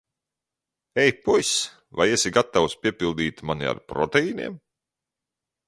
Ei, puis, vai esi gatavs piepildīt mani ar proteīniem?